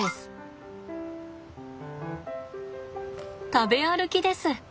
食べ歩きです。